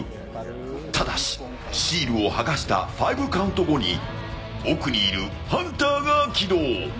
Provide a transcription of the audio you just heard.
ただし、シールを剥がした５カウント後に奥にいるハンターが起動。